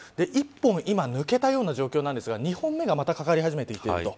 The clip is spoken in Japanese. １本、今抜けたような状況なんですが２本目がまたかかり始めていると。